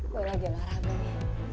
gue lagi marah boy